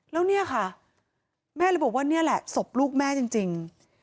แล้วเนี่ยค่ะแม่เลยบอกว่านี่แหละศพลูกแม่จริง